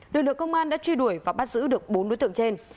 đội lực công an đã truy đuổi và bắt giữ được bốn đối tượng trên